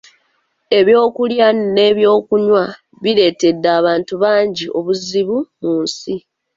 Ebyokulya n’ebyokunywa bireetedde abantu bangi obuzibu mu nsi.